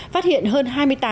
phát hiện hơn hai mươi tám